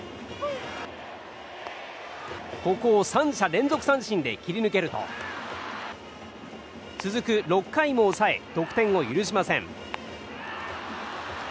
ここを３者連続三振で切り抜けると続く６回も抑え得点を許しません。